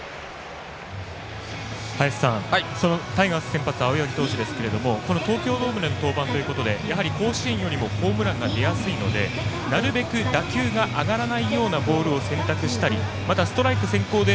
そのタイガース先発青柳投手ですけれどもこの東京ドームでの登板ということでやはり甲子園よりもホームランが出やすいのでなるべく打球が上がらないようなボールを選択したりまた、ストライク先行で